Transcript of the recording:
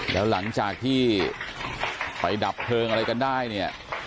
แล้วหลังจากที่ไปดับเพลิงอะไรกันได้เนี่ย